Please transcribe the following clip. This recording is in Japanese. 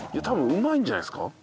多分うまいんじゃないですか？